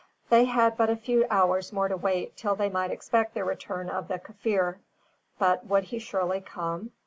They had but a few hours more to wait until they might expect the return of the Kaffir; but would he surely come?